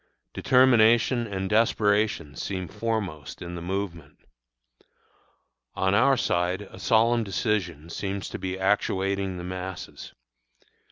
Determination and desperation seem foremost in the movement. On our side a solemn decision seems to be actuating the masses.